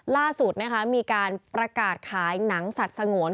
ล่าสุดนะคะมีการประกาศขายหนังสัตว์สงวน